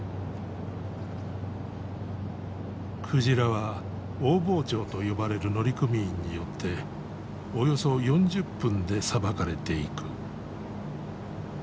鯨は大包丁と呼ばれる乗組員によっておよそ４０分でさばかれていく。